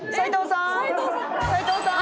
斉藤さん？